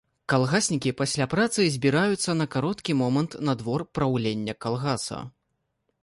Калгаснікі пасля працы збіраюцца на кароткі момант на двор праўлення калгаса.